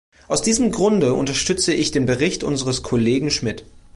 Aus diesem Grunde unterstütze ich den Bericht unseres Kollegen Schmid.